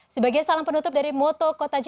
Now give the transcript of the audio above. sebagai salam penutup dari moto kota jakarta